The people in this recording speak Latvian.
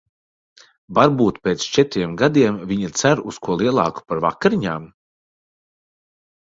Varbūt pēc četriem gadiem viņa cer uz ko lielāku par vakariņām?